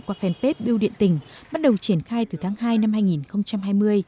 qua fanpage biêu điện tỉnh bắt đầu triển khai từ tháng hai năm hai nghìn hai mươi